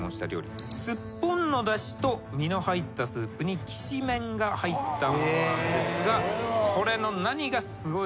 スッポンのだしと身の入ったスープにきしめんが入ったものですがこれの何がすごいのか？